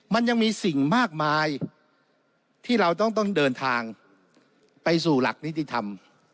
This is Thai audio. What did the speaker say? มันยังมีสิ่งมากมายที่เราต้องเดินทางไปสู่หลักนิติธรรม